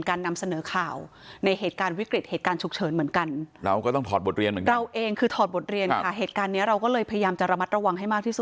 เหตุการณ์นำเสนอข่าวในเหตุการณ์วิกฤตเหตุการณ์ฉุกเฉินเหมือนกัน